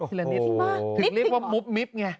ทีละนิดถึงเรียกว่ามุบมิบไงโอ้โหนิดจริงเหรอ